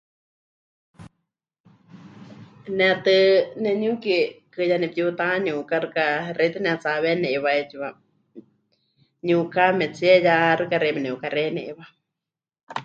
Ne tɨ neniukikɨ ya nepɨtiutániuka xɨka xewítɨ netsihahɨawéni ne'iwá 'eetsiwa, niukaametsie ya xɨka xeíme ne'ukaxeiya ne'iwá.